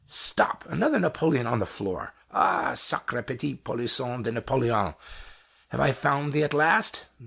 Stop! another napoleon on the floor! Ah! sacre petit polisson de Napoleon! have I found thee at last?